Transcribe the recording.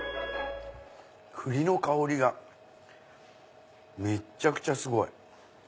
栗の香りがめっちゃくちゃすごい！